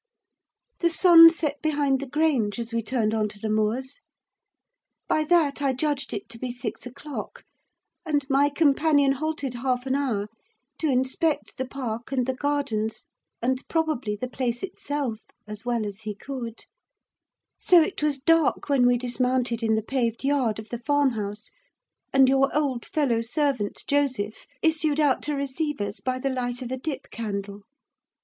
The sun set behind the Grange as we turned on to the moors; by that, I judged it to be six o'clock; and my companion halted half an hour, to inspect the park, and the gardens, and, probably, the place itself, as well as he could; so it was dark when we dismounted in the paved yard of the farmhouse, and your old fellow servant, Joseph, issued out to receive us by the light of a dip candle.